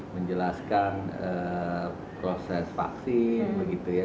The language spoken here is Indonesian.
menjelaskan proses vaksin begitu ya